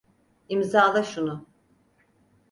İmzala şunu.